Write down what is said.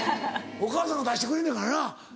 お母さんが出してくれんねんからな。